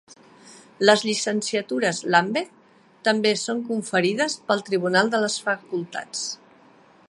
Les llicenciatures Lambeth també són conferides pel Tribunal de les Facultats.